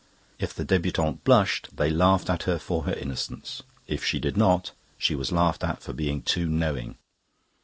If the debutante blushed, they laughed at her for her innocence; if she did not, she was laughed at for being too knowing."